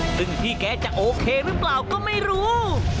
ซึ่งพี่แกจะโอเคหรือเปล่าก็ไม่รู้